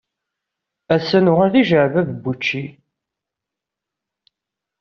Ass-a nuɣal d ijeɛbab n wučči.